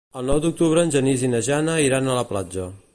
El nou d'octubre en Genís i na Joana iran a la platja.